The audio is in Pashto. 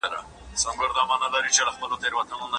په عملي سیاست کې د سیاستوالو لپاره د هنر شتون اړین ګڼل کېږي.